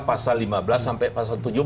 pasal lima belas sampai pasal tujuh belas